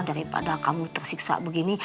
daripada kamu tersiksa begini